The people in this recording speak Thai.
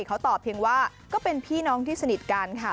เขาตอบเพียงว่าก็เป็นพี่น้องที่สนิทกันค่ะ